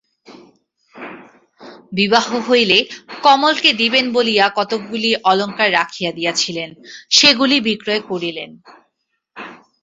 বিবাহ হইলে কমলকে দিবেন বলিয়া কতকগুলি অলংকার রাখিয়া দিয়াছিলেন, সেগুলি বিক্রয় করিলেন।